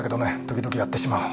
時々やってしまう。